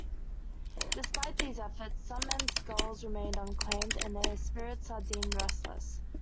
Despite these efforts some men's skulls remained unclaimed and their spirits are deemed restless.